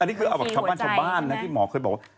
อันนี้คือคำว่าชะบ้านนะที่หมอเคยบอกว่า